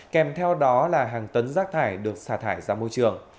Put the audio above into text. kèm theo đó là hàng tấn rác thải được xả thải ra môi trường